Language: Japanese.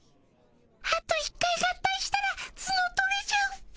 あと一回合体したらツノ取れちゃうっピ。